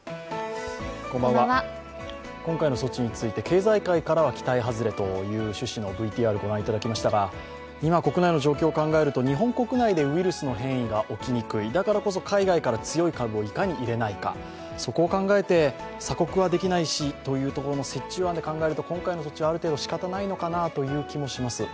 今回の措置について経済界からは期待外れという趣旨のＶＴＲをご覧いただきましたが、今国内の状況を考えると日本国内でウイルスの変異が起きにくい、だからこそ海外から強い株をいかに入れないかそこを考えて鎖国はできないというところの折衷案で考えると、今回の措置はある程度仕方ないのかなという気もします。